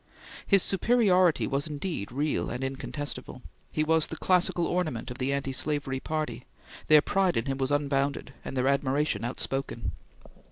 His superiority was, indeed, real and incontestable; he was the classical ornament of the anti slavery party; their pride in him was unbounded, and their admiration outspoken.